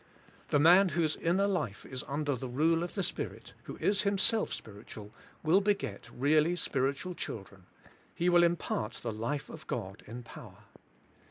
The man whose inner life is under the rule of the Spirit, who is himself spirit ual, will beget really spiritual children; he will im part the life of God in power.